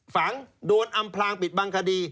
ฝังโดนอำพลางปิดบังคดี